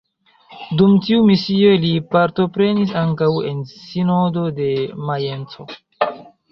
Dum tiu misio li partoprenis ankaŭ en sinodo de Majenco.